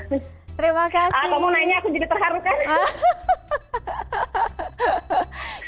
kamu nanya aku jadi terharu kan